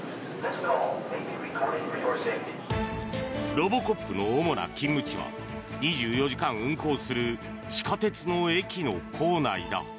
ロボコップの主な勤務地は２４時間運行する地下鉄の駅の構内だ。